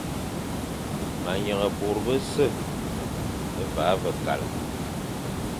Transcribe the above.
Ma nyeghe bô bese, va ve kale.